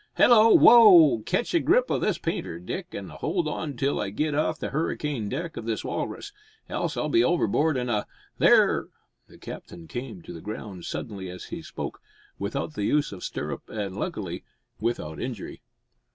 Hallo! woa! Ketch a grip o' the painter, Dick, an' hold on till I git off the hurricane deck o' this walrus else I'll be overboard in a . There " The captain came to the ground suddenly as he spoke, without the use of stirrup, and, luckily, without injury.